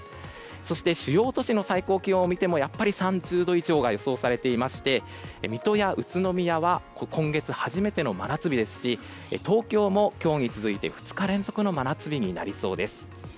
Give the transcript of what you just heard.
そして主要都市の最高気温を見てもやっぱり３０度以上が予想されていまして水戸や宇都宮は今月初めての真夏日ですし東京も今日に続いて２日連続の真夏日になりそうです。